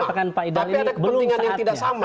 tapi ada kepentingan yang tidak sama